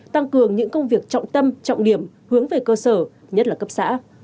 tăng cường những công việc trọng tâm trọng điểm hướng về cơ sở nhất là cấp xã